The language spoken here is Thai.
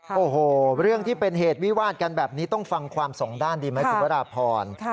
โอ้โหเรื่องที่เป็นเหตุวิวาดกันแบบนี้ต้องฟังความสองด้านดีไหมคุณวราพร